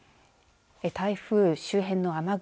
台風周辺の雨雲